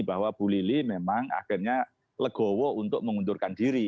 bahwa bu lili memang akhirnya legowo untuk mengundurkan diri